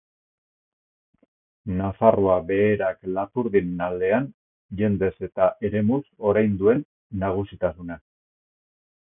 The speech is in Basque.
Nafarroa Behereak Lapurdiren aldean, jendez eta eremuz, orain duen nagusitasuna.